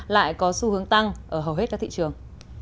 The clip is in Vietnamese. lại có xu hướng tăng ở hầu hết các thị trường